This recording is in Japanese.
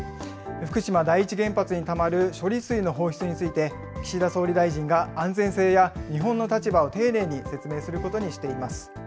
福島第一原発にたまる処理水の放出について、岸田総理大臣が安全性や日本の立場を丁寧に説明することにしています。